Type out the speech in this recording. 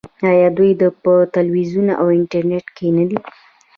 آیا دوی په تلویزیون او انټرنیټ کې نه دي؟